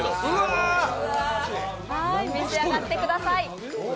召し上がってください。